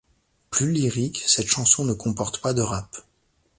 Plus lyrique, cette chanson ne comporte pas de rap.